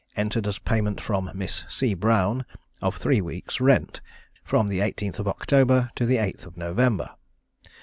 entered as payment from Miss C. Brown of three weeks' rent, from the 18th October to the 8th November.